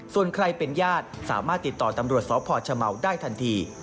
ส่วนใครเป็นญาติสามารถติดต่อตำรวจสพชเมาได้ทันที